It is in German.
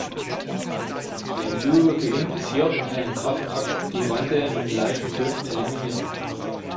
Dem Duo gelingt es hier in einem Kraftakt, die wandelnden Leichen zu eliminieren.